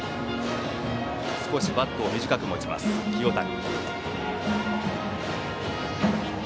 少しバットを短く持った清谷。